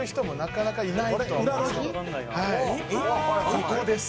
「ここです。